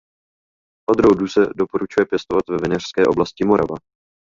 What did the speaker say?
Odrůdu se doporučuje pěstovat ve vinařské oblasti Morava.